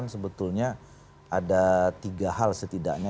sebetulnya ada tiga hal setidaknya